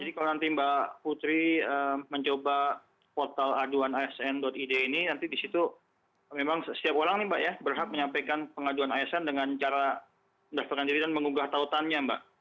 jadi kalau nanti mbak putri mencoba portal aduan asn id ini nanti di situ memang setiap orang nih mbak ya berhak menyampaikan pengaduan asn dengan cara daftarkan diri dan mengugah tautannya mbak